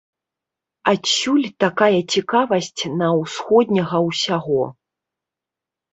Адсюль такая цікавасць на усходняга ўсяго.